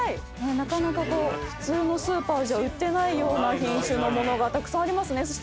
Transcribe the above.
なかなか普通のスーパーじゃ売ってないような品種のものがたくさんありますね。